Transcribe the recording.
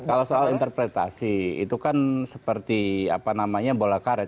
kalau soal interpretasi itu kan seperti apa namanya bola karet